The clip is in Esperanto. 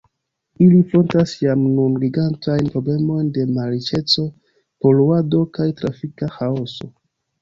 Ili frontas jam nun gigantajn problemojn de malriĉeco, poluado kaj trafika ĥaoso.